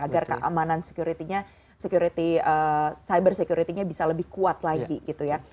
agar keamanan security nya cyber security nya bisa lebih kuat lagi gitu ya